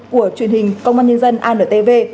của truyền hình công an nhân dân antv